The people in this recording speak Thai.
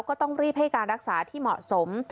ก็ต้องรีบให้การรักษาที่เหมาะสม